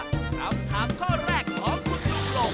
คำถามข้อแรกของคุณลุงหลง